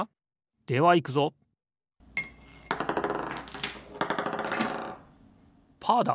ではいくぞパーだ！